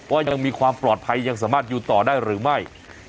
ว่ายังมีความปลอดภัยยังสามารถอยู่ต่อได้หรือไม่